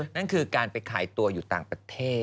นั่นคือการไปขายตัวอยู่ต่างประเทศ